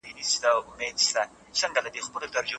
دولت اقتصادي سکتور پیاوړی کوي.